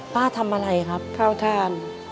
เป้าะทำอะไรครับเผ้าทาน